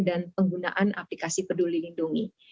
dan penggunaan aplikasi peduli lindungi